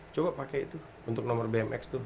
coba pakai itu untuk nomor bmx tuh